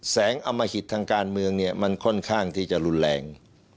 อมหิตทางการเมืองเนี่ยมันค่อนข้างที่จะรุนแรง